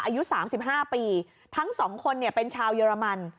อายุ๓๕ปีทั้งสองคนเป็นชาวเยอรมัน